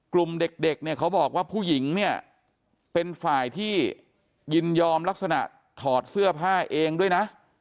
กลุ่มเด็กเนี่ยเขาบอกว่าผู้หญิงเนี่ยเป็นฝ่ายที่ยินยอมลักษณะถอดเสื้อผ้าเองด้วยนะ